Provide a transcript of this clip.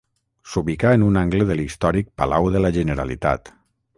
S'ubicà en un angle de l'històric Palau de la Generalitat.